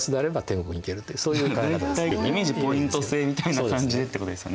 イメージポイント制みたいな感じでってことですよね。